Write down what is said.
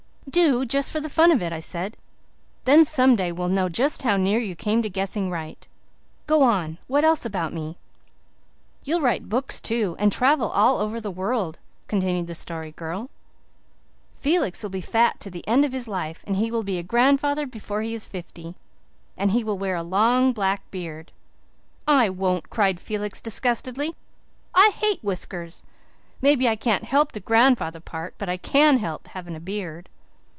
"Do, just for the fun of it," I said. "Then some day we'll know just how near you came to guessing right. Go on. What else about me?" "You'll write books, too, and travel all over the world," continued the Story Girl. "Felix will be fat to the end of his life, and he will be a grandfather before he is fifty, and he will wear a long black beard." "I won't," cried Felix disgustedly. "I hate whiskers. Maybe I can't help the grandfather part, but I CAN help having a beard."